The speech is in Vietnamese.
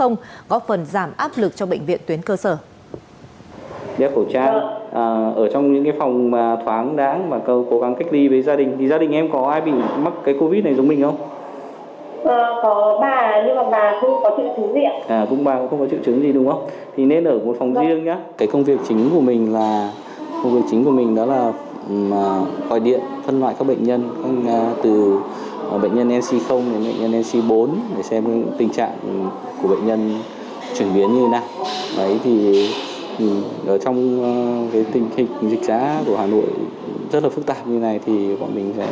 góp phần giảm áp lực cho bệnh viện tuyến cơ sở